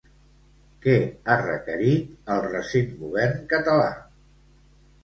Què ha requerit al recent govern català?